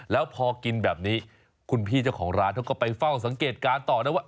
แล้วพอกินแบบนี้คุณพี่เจ้าของร้านเขาก็ไปเฝ้าสังเกตการณ์ต่อนะว่า